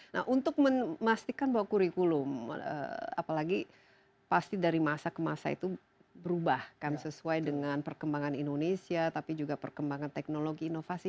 nah untuk memastikan bahwa kurikulum apalagi pasti dari masa ke masa itu berubah kan sesuai dengan perkembangan indonesia tapi juga perkembangan teknologi inovasi